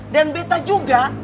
dan beta juga